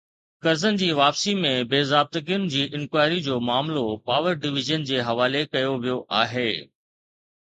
قرضن جي واپسي ۾ بي ضابطگين جي انڪوائري جو معاملو پاور ڊويزن جي حوالي ڪيو ويو آهي